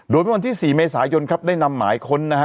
โดยเมื่อวันที่๔เมษายนครับได้นำหมายค้นนะฮะ